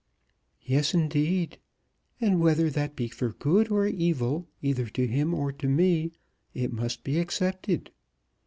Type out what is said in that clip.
"Yes, indeed; and whether that be for good or evil, either to him or to me, it must be accepted.